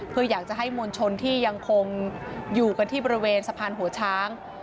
เพื่ออยากจะให้มวลชนที่ยังคงอยู่กันที่บริเวณสะพานหัวช้าง